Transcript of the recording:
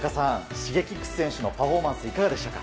Ｓｈｉｇｅｋｉｘ選手のパフォーマンスいかがでしたか？